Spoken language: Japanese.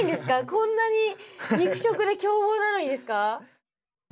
こんなに肉食で凶暴なのにですか？